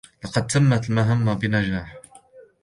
لقد تمت المهمه بنجاح